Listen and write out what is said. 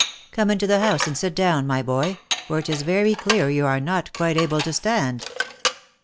Come into the house and sit down, my boy, for it is very clear you are not quite able to stand."